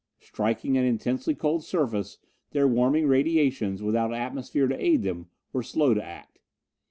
Striking an intensely cold surface, their warming radiations, without atmosphere to aid them, were slow to act.